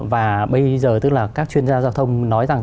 và bây giờ tức là các chuyên gia giao thông nói rằng